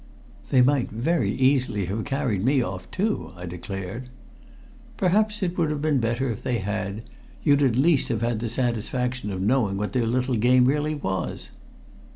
"They might very easily have carried me off too," I declared. "Perhaps it would have been better if they had. You'd at least have had the satisfaction of knowing what their little game really was!"